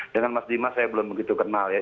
dengan mas dimas saya belum begitu kenal ya